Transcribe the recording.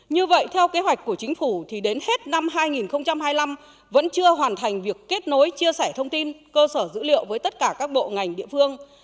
như vậy theo kế hoạch của chính phủ thì đến hết năm hai nghìn hai mươi năm vẫn chưa hoàn thành việc kết nối chia sẻ thông tin cơ sở dữ liệu với tất cả các bộ ngành địa phương